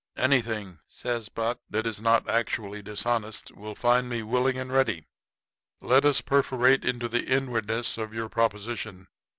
"Anything," says Buck, "that is not actually dishonest will find me willing and ready. Let us perforate into the inwardness of your proposition.